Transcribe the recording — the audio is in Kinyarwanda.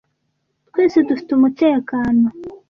twese dufite umutekano.